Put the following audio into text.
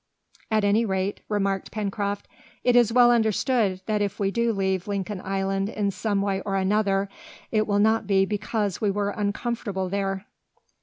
"At any rate," remarked Pencroft, "it is well understood that if we do leave Lincoln Island in some way or another, it will not be because we were uncomfortable there!"